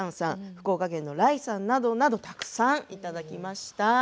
福岡県の、らいさんなどたくさんいただきました。